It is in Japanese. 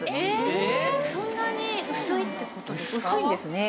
そんなに薄いって事ですか？